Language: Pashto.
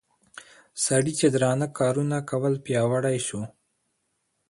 سړي چې درانه کارونه کول پياوړى شو